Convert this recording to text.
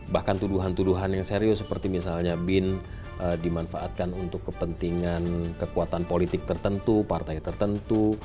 bahkan tuduhan tuduhan yang serius seperti misalnya bin dimanfaatkan untuk kepentingan kekuatan politik tertentu partai tertentu